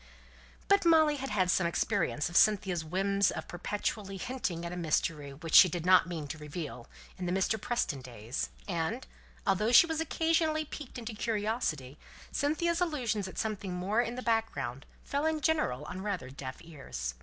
But Molly had had some experience of Cynthia's whim of perpetually hinting at a mystery which she did not mean to reveal in the Mr. Preston days, and, although she was occasionally piqued into curiosity, Cynthia's allusions at something more in the background fell in general on rather deaf ears.